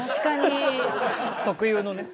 特有のね。